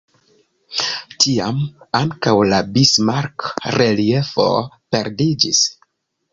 Tiam ankaŭ la Bismarck-reliefo perdiĝis.